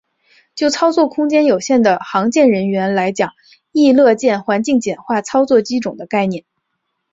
就操作空间有限的航舰人员来讲亦乐见环境简化操作机种的概念。